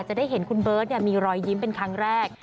จะได้เห็นคุณเบิร์ตมีรอยยิ้มเป็นครั้งแรก